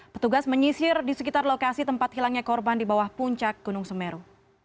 petugas menyisir di sekitar lokasi tempat hilangnya korban di bawah puncak gunung semeru